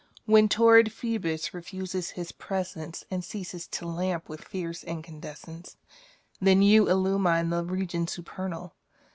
When torrid Phoebus refuses his presence And ceases to lamp with fierce incandescence^ Then you illumine the regions supernal.